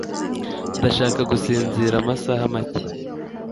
Ndashaka gusinzira amasaha make.